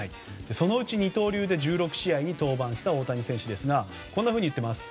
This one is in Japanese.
そのうち二刀流で１６試合に登板した大谷選手ですがこんなふうに言ってます。